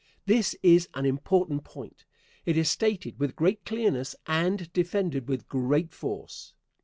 This is an important point. It is stated with great clearness, and defended with great force.